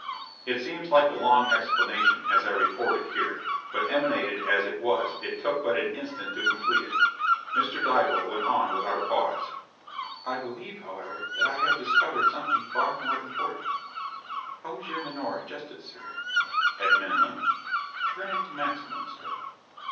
It seems like a long explanation, as I record it here, but emanated as it was, it took but an instant to complete it. Mr. Dival went on without a pause: "I believe, however, that I have discovered something far more important. How is your menore adjusted, sir?" "At minimum." "Turn it to maximum, sir."